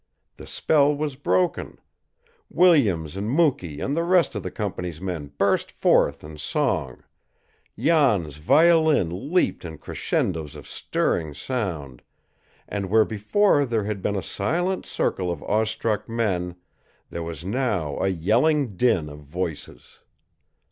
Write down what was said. The spell was broken. Williams and Mukee and the rest of the company's men burst forth in song; Jan's violin leaped in crescendos of stirring sound; and where before there had been a silent circle of awestruck men there was now a yelling din of voices.